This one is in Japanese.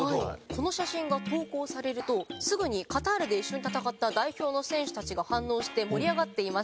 この写真が投稿されるとすぐにカタールで一緒に戦った代表の選手たちが反応して盛り上がっていました。